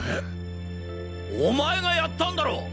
お前がやったんだろ！？